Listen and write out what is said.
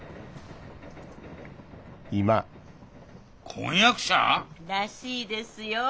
婚約者？らしいですよ。